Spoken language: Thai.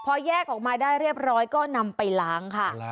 พอแยกออกมาได้เรียบร้อยก็นำไปล้างค่ะ